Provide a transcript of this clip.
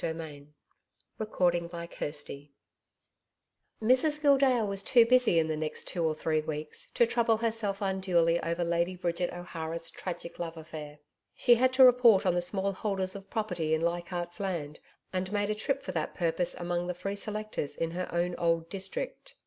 Your BIDDY.' CHAPTER 6 Mrs Gildea was too busy in the next two or three weeks to trouble herself unduly over Lady Bridget O'Hara's tragic love affair. She had to report on the small holders of property in Leichardt's Land and made a trip for that purpose among the free selectors in her own old district.